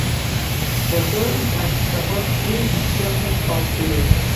The service has suffered three instances of delays.